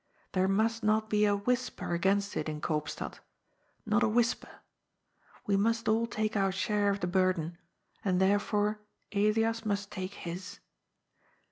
There must not be a whisper against it in Koopstad, not a whis per. We must all take our share of the burden, and there fore Elias must take his.